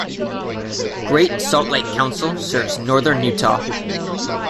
Great Salt Lake Council serves northern Utah.